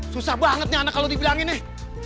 susah banget nih anak kalo dibilangin nih